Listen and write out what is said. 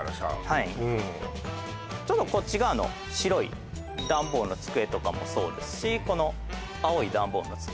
はいうんちょっとこっち側の白いダンボールの机とかもそうですしこの青いダンボールの机